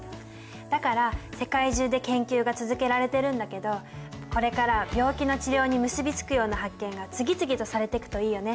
だから世界中で研究が続けられてるんだけどこれから病気の治療に結び付くような発見が次々とされてくといいよね。